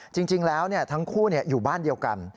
จริงแล้วทั้งคู่อยู่บ้านเดียวกัน